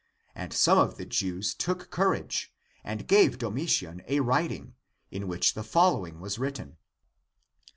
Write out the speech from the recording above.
And some of the Jews took cour age, and gave Domitian a writing, in which the fol lowing was written : 3.